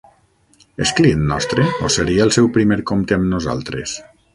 És client nostre, o seria el seu primer compte amb nosaltres?